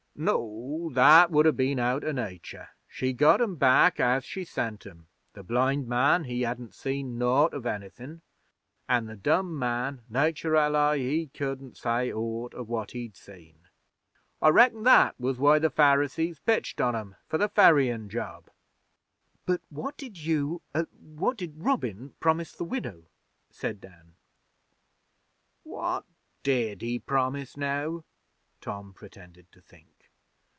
'No o. That would have been out o' Nature. She got 'em back as she sent 'em. The blind man he hadn't seen naught of anythin', an' the dumb man nature ally he couldn't say aught of what he'd seen. I reckon that was why the Pharisees pitched on 'em for the ferryin' job.' 'But what did you what did Robin promise the Widow?' said Dan. 'What did he promise, now?' Tom pretended to think.